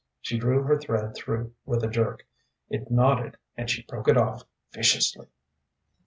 She drew her thread through with a jerk. It knotted, and she broke it off viciously.